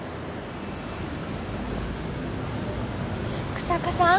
日下さん。